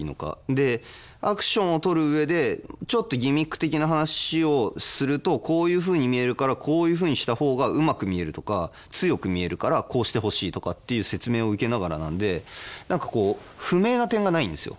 でアクションを撮る上でちょっとギミック的な話をするとこういうふうに見えるからこういうふうにした方がうまく見えるとか強く見えるからこうしてほしいとかっていう説明を受けながらなんで何かこう不明な点がないんですよ